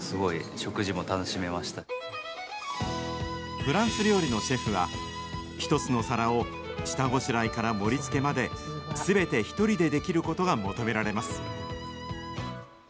フランス料理のシェフは、一つの皿を下ごしらえから盛りつけまで、すべて１人でできることが求められます。